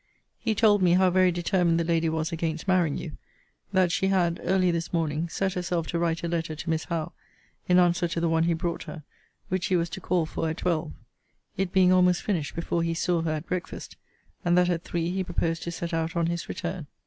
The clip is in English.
He told me how very determined the lady was against marrying you; that she had, early this morning, set herself to write a letter to Miss Howe, in answer to one he brought her, which he was to call for at twelve, it being almost finished before he saw her at breakfast; and that at three he proposed to set out on his return.